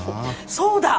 そうだ！